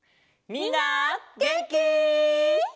みんなげんき？